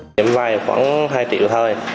điểm vay khoảng hai triệu thôi